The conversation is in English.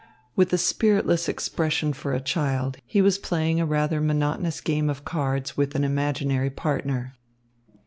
With a spiritless expression for a child, he was playing a rather monotonous game of cards with an imaginary partner.